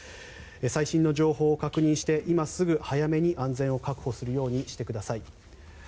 最新の情報を確認して今すぐ早めに安全を確保するようにしてください。